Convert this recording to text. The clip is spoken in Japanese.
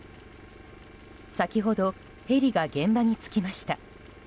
先ほどヘリが現場に着きました。